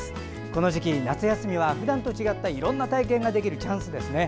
この時期、夏休みはふだんと違ったいろんな体験ができるチャンスですね。